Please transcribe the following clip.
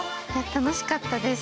楽しかったです。